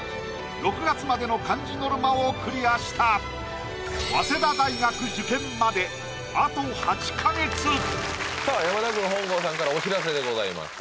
６月までの漢字ノルマをクリアした早稲田大学受験まであと８か月さあ山田君本郷さんからお知らせでございます